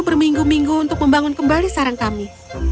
berminggu minggu untuk membangun kembali sarang kami